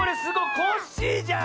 コッシーじゃん！